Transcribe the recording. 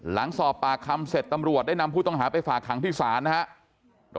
หลังสอบปากคำเสร็จตำรวจได้นำผู้ต้องหาไปฝากขังที่ศาลนะครับ